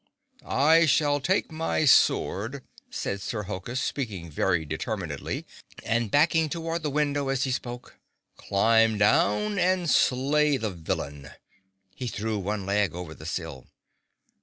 "I shall take my sword," said Sir Hokus, speaking very determinedly, and backing toward the window as he spoke, "climb down, and slay the villain." He threw one leg over the sill.